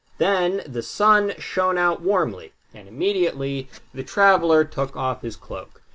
Then the Sun shined out warmly, and immediately the traveler took off his cloak.